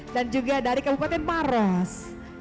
dan juga dari kabupaten maros